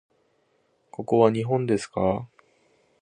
ここは日本ですか？